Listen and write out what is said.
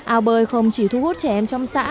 ao bơi không chỉ thu hút trẻ em trong xã